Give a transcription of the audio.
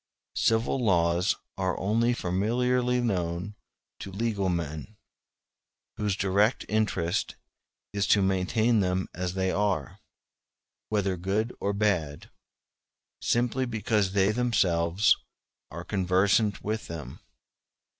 Civil laws are only familiarly known to legal men, whose direct interest it is to maintain them as they are, whether good or bad, simply because they themselves are conversant with them.